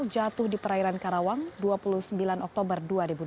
jatuh di perairan karawang dua puluh sembilan oktober dua ribu dua puluh